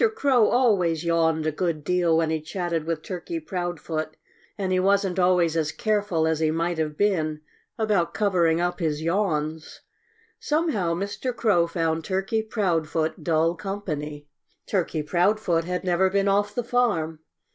Crow always yawned a good deal when he chatted with Turkey Proudfoot and he wasn't always as careful as he might have been about covering up his yawns. Somehow Mr. Crow found Turkey Proudfoot dull company. Turkey Proudfoot had never been off the farm.